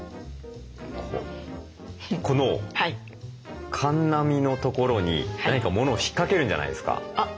このかんな身のところに何かものを引っかけるんじゃないですか？